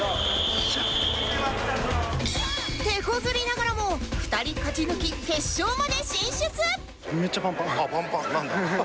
手こずりながらも２人勝ち抜き決勝まで進出